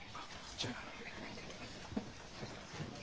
じゃあ。